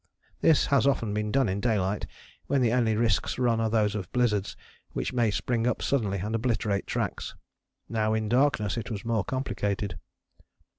This has often been done in daylight when the only risks run are those of blizzards which may spring up suddenly and obliterate tracks. Now in darkness it was more complicated.